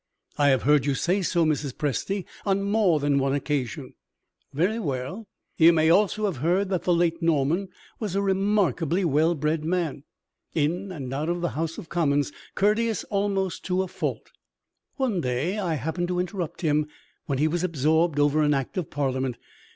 "I have heard you say so, Mrs. Presty, on more than one occasion." "Very well. You may also have heard that the late Mr. Norman was a remarkably well bred man. In and out of the House of Commons, courteous almost to a fault. One day I happened to interrupt him when he was absorbed over an Act of Parliament.